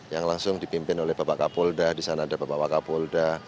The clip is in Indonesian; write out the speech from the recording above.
yang langsung dipimpin oleh bapak kapolda disana ada bapak kapolda